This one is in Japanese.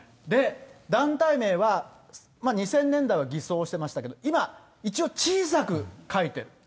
団体名は２０００年代は偽装してましたけど、今、一応、小さく書いてる。